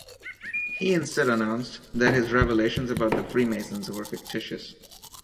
He instead announced that his revelations about the Freemasons were fictitious.